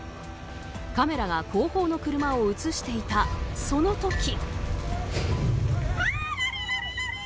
カメラが後方の車を映していたその時。